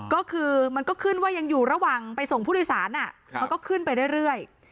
ก็คือมันก็ขึ้นว่ายังอยู่ระหว่างไปส่งผู้โดยสารมันก็ขึ้นไปเรื่อย